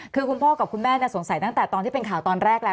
คือคุณพ่อกับคุณแม่สงสัยตั้งแต่ตอนที่เป็นข่าวตอนแรกแล้ว